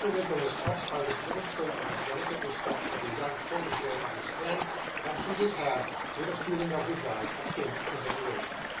Winkle was touched by this little trait of his delicate respect for the young _protegee _of his friend, and took his hand with a feeling of regard, akin to veneration.